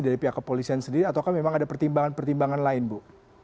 dari pihak kepolisian sendiri atau memang ada pertimbangan pertimbangan lain bu